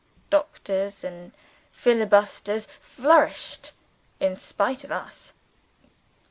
Dictators and filibusters flourished in spite of us.